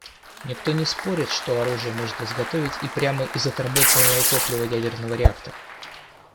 Никто не спорит, что оружие можно изготовить и прямо из отработанного топлива ядерного реактора.